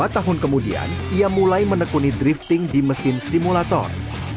dua tahun kemudian ia mulai menekuni drifting di mesin simulator